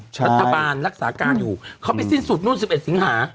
รัฐบาลรักษาการอยู่เขาไปสิ้นสุดนู่น๑๑สิงหา